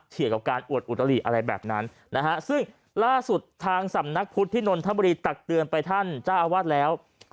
เกี่ยวกับการอวดอุตลิอะไรแบบนั้นนะฮะซึ่งล่าสุดทางสำนักพุทธที่นนทบุรีตักเตือนไปท่านเจ้าอาวาสแล้ว